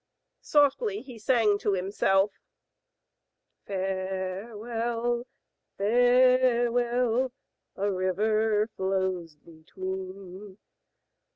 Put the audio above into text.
Softly he sang to himself : Farewell, farewell, A river flows between.